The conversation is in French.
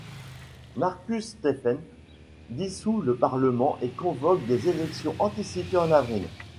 Marcus Stephen dissout le Parlement et convoque des élections anticipées en avril.